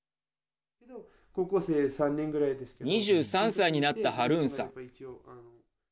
２３歳になったハルーンさん。